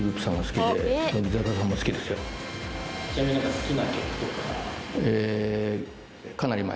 ちなみに好きな曲とか？